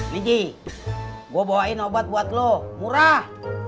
ngijik gua bawain obat buat lo murah